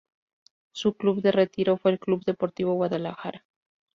Su club de retiro fue el Club Deportivo Guadalajara.